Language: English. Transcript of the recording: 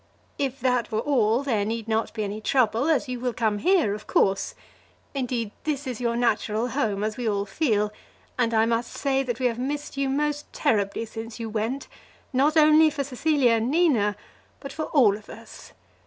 If that were all, there need not be any trouble, as you will come here, of course. Indeed, this is your natural home, as we all feel; and I must say that we have missed you most terribly since you went, not only for Cecilia and Nina, but for all of us.